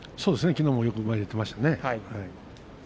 きのうもよく前に出てましたね。